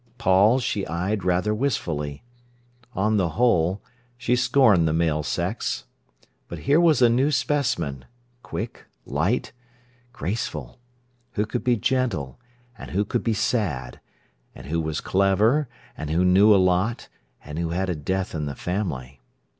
Paul she eyed rather wistfully. On the whole, she scorned the male sex. But here was a new specimen, quick, light, graceful, who could be gentle and who could be sad, and who was clever, and who knew a lot, and who had a death in the family.